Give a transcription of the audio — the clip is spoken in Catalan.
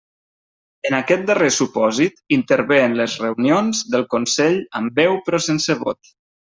En aquest darrer supòsit, intervé en les reunions del Consell amb veu però sense vot.